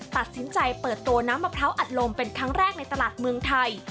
ตัดสินใจเปิดตัวน้ำมะพร้าวอัดลมเป็นครั้งแรกในตลาดเมืองไทย